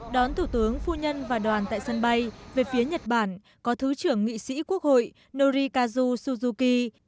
đón thủ tướng phu nhân và đoàn tại sân bay về phía nhật bản có thứ trưởng nghị sĩ quốc hội norikazuki